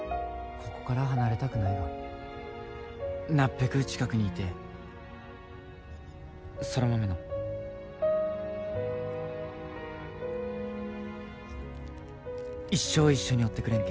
ここから離れたくないがなっべく近くにいてえ空豆の一生一緒におってくれんけ？